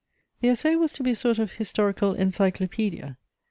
The Essai was to be a sort of historical encyclopædia.